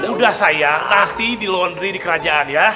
udah sayang nanti di laundry di kerajaan ya